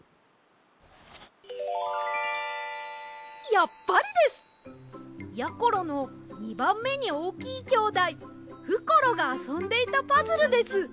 やっぱりです！やころの２ばんめにおおきいきょうだいふころがあそんでいたパズルです。